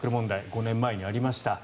５年前にありました。